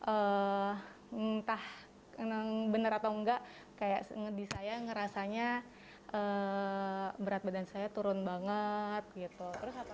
entah emang bener atau enggak kayak ngedi saya ngerasanya berat badan saya turun banget gitu